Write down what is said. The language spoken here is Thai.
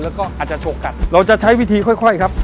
แล้วก็อาจจะฉกกัดเราจะใช้วิธีค่อยครับ